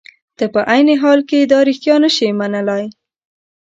ته په عین حال کې دا رښتیا نشې منلای.